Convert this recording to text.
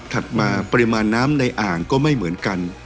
มาปริมาณน้ำในอ่างก็ไม่เหมือนกัน